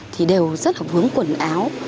thì đều rất hợp hướng quần áo